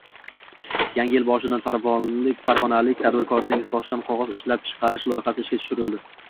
Yangi yil boshidan farg‘onalik tadbirkorning toshdan qog‘oz ishlab chiqarish loyihasi ishga tushiriladi